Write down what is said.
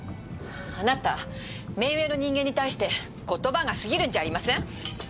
あなた目上の人間に対して言葉が過ぎるんじゃありません？